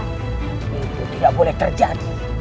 itu tidak boleh terjadi